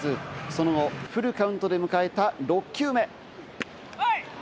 その後、フルカウントで迎えた６球目。